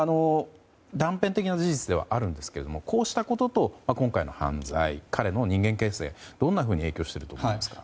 断片的な事実ではあるんですがこうしたことと、今回の犯罪彼の人間形成、どんなふうに影響していると思いますか。